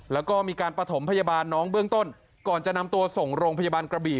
แล้วก็มีการประถมพยาบาลน้องเบื้องต้นก่อนจะนำตัวส่งโรงพยาบาลกระบี่